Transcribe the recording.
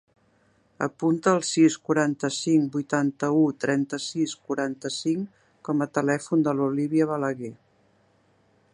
Apunta el sis, quaranta-cinc, vuitanta-u, trenta-sis, quaranta-cinc com a telèfon de l'Olívia Balague.